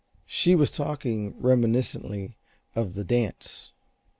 She was talking reminiscently of the dance.